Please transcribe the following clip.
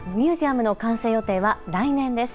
ミュージアムの完成予定は来年です。